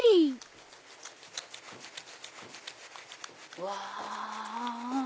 うわ！